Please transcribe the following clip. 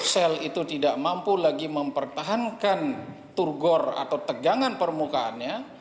sel itu tidak mampu lagi mempertahankan turgor atau tegangan permukaannya